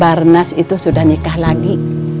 barnas itu sudah nikah lagi